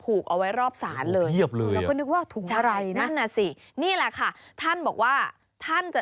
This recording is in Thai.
ผูกเอาไว้รอบศาลเลยนะใช่นี่แหละค่ะท่านบอกว่า